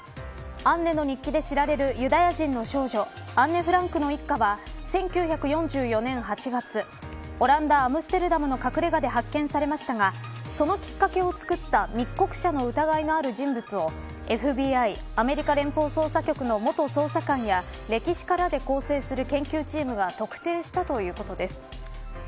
アンネの日記で知られるユダヤ人の少女アンネ・フランクの一家は１９４４年８月オランダ、アムステルダムの隠れ家で発見されましたがそのきっかけをつくった密告者の疑いのある人物をＦＢＩアメリカ連邦捜査局の元捜査官や歴史家らで構成する研究チームが特定したということです。